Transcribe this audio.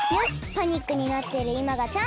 パニックになっているいまがチャンスだ！